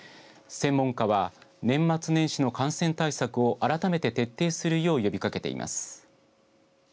専門家は、年末年始の感染対策を改めて徹底するよう呼びかけています。